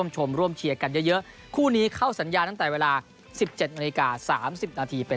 สวัสดีครับ